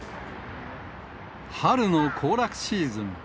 春の行楽シーズン。